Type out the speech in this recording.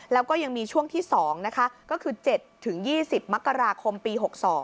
แล้วก็ยังมีช่วงที่๒นะคะก็คือ๗๒๐มกราคมปี๖๒